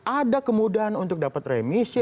ada kemudahan untuk dapat remisi